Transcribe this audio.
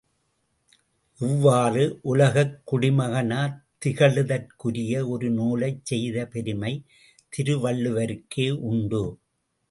இவ்வாறு உலகக் குடிமகனாத் திகழுதற்குரிய ஒரு நூலைச் செய்த பெருமை திருவள்ளுவருக்கே உண்டு.